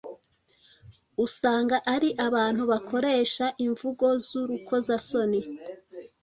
usanga ari abantu bakoresha imvugo z’urukozasoni.